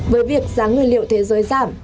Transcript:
với việc giá ngươi liệu thế giới giảm